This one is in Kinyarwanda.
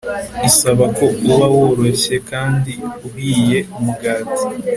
isaba ko uba woroshye kandi uhiye Umugati